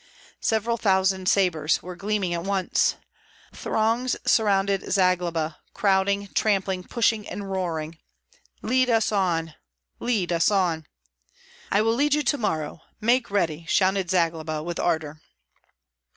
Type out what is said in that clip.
Several thousand sabres were gleaming at once. Throngs surrounded Zagloba, crowding, trampling, pushing, and roaring, "Lead us on! lead us on!" "I will lead you to morrow! Make ready!" shouted Zagloba, with ardor.